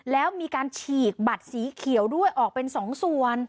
แล้วมีการฉีกบัตรสีเขียวด้วยออกเป็น๒ส่วน